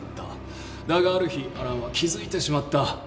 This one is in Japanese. だがある日安蘭は気付いてしまった。